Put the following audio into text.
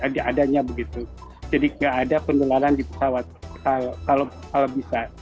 jadi tidak ada penularan di pesawat kalau bisa